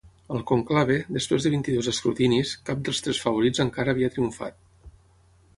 Al conclave, després de vint-i-dos escrutinis, cap dels tres favorits encara havia triomfat.